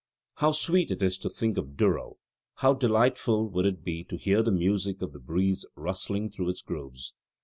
"How sweet it is to think of Durrow: how delightful would it be to hear the music of the breeze rustling through its groves.